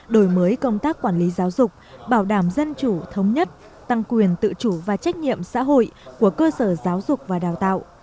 đổi mới công tác quản lý giáo dục bảo đảm dân chủ thống nhất tăng quyền tự chủ và trách nhiệm xã hội của cơ sở giáo dục và đào tạo